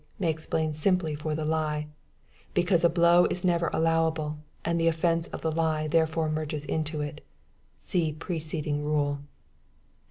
may explain simply for the lie; because a blow is never allowable, and the offence of the lie therefore merges in it. (See preceding rule.)